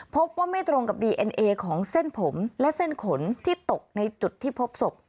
พบว่าไม่ตรงกับดีเอ็นเอของเส้นผมและเส้นขนที่ตกในจุดที่พบศพ